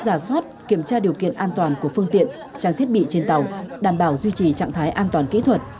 giả soát kiểm tra điều kiện an toàn của phương tiện trang thiết bị trên tàu đảm bảo duy trì trạng thái an toàn kỹ thuật